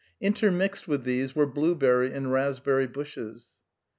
Intermixed with these were blueberry and raspberry bushes.